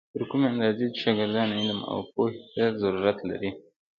تر کومې اندازې چې شاګردان علم او پوهې ته ضرورت لري.